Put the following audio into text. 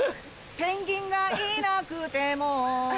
ペンギンがいなくても